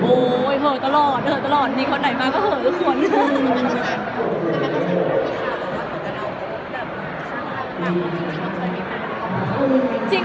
โอ้ยเหลือตลอดมีคนไหนมาก็เหลือทุกคน